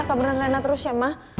kabarin rena terus ya ma